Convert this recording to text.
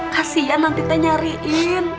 kasian nanti kita nyariin